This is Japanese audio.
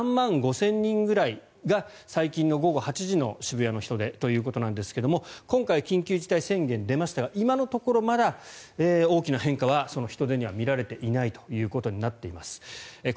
３回目宣言出てまた減ったんですが今、増えて３万５０００人ぐらいが最近の午後８時の渋谷の人出ということですが今回、緊急事態宣言が出ましたが今のところまだ大きな変化は人出には見られていないということになっています。